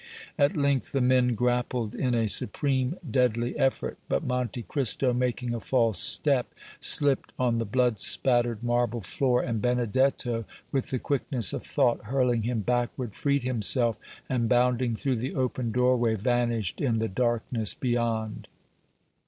At length the men grappled in a supreme, deadly effort, but Monte Cristo, making a false step, slipped on the blood spattered marble floor, and Benedetto, with the quickness of thought, hurling him backward, freed himself and bounding through the open doorway vanished in the darkness beyond.